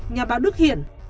nhà báo đức hiển